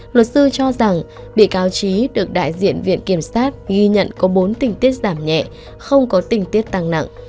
luật sư cho rằng bị cáo trí được đại diện viện kiểm sát ghi nhận có bốn tình tiết giảm nhẹ không có tình tiết tăng nặng